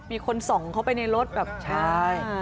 มีคนส่องเข้าไปในรถแบบใช่